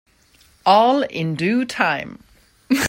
All in due time.